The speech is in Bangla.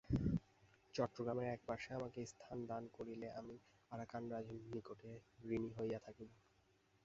চট্টগ্রামের এক পার্শ্বে আমাকে স্থান দান করিলে আমি আরাকানরাজের নিকটে ঋণী হইয়া থাকিব।